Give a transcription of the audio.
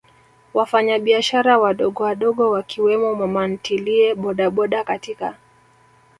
wafanyabiashara wadogowadogo Wakiwemo mamantilie bodaboda katika